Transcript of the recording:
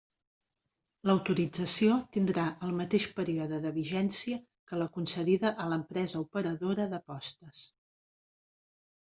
L'autorització tindrà el mateix període de vigència que la concedida a l'empresa operadora d'apostes.